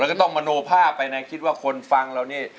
อ๋อแล้วก็ต้องมโนภาพไปนะคิดว่าคนฟังแล้วนี่